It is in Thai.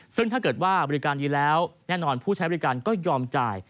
ซึ่งถ้าเกิดว่าบริการดีแล้วแน่นอนผู้ใช้บริการก็ยอมจ่าย